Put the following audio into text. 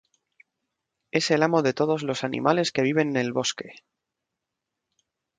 Es el amo de todos los animales que viven en el bosque.